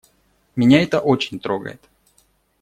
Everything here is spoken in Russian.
Меня это очень трогает.